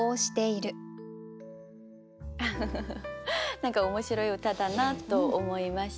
何か面白い歌だなと思いました。